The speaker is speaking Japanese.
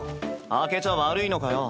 開けちゃ悪いのかよ。